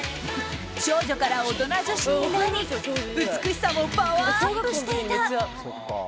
少女から大人女子になり美しさもパワーアップしていた。